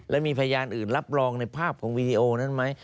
แล้วมีพยานอื่นรับรองในภาพของวีดีโอนั้นไหม